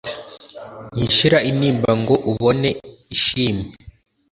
ntishira intimba ngo ubone ishimye